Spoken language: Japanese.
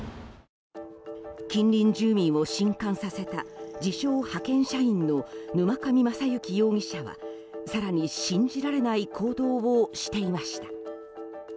近隣住民を震撼させた自称派遣社員の沼上将之容疑者は更に、信じられない行動をしていました。